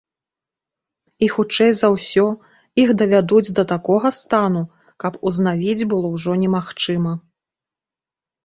І хутчэй за ўсё іх давядуць да такога стану, каб узнавіць было ўжо немагчыма.